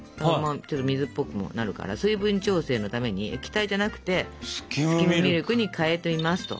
ちょっと水っぽくもなるから水分調整のために液体じゃなくてスキムミルクに代えていますと。